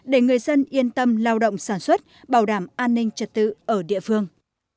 để người dân yên tâm lao động sản xuất bảo đảm an ninh trật tự ở địa phương